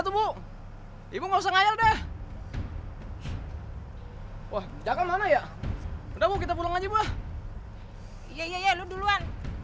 tubuh ibu ngusah ngayak deh wah jatuh mana ya udah mau kita pulang aja bu iya lu duluan